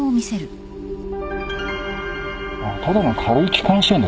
ただの軽い気管支炎だろう。